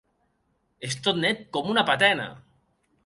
És tot net com una patena.